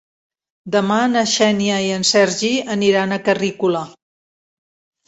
Demà na Xènia i en Sergi aniran a Carrícola.